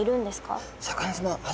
シャーク香音さまあ